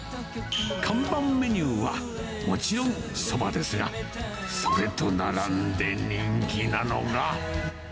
看板メニューは、もちろん、そばですが、それと並んで人気なのが。